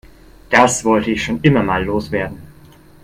Das wollte ich schon immer mal loswerden.